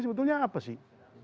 sebetulnya apa sih